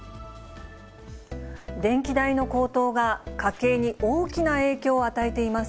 電気代の高騰が家計に大きな影響を与えています。